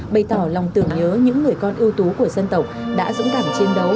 bày tỏ lòng tưởng nhớ những người con ưu tú của dân tộc đã dũng cảm chiến đấu